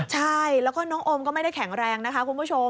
ใช่แล้วก็น้องโอมก็ไม่ได้แข็งแรงนะคะคุณผู้ชม